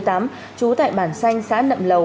trú tại bản xanh xã nậm lầu